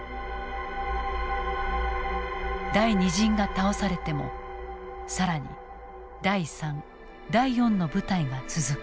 第２陣が倒されても更に第３第４の部隊が続く。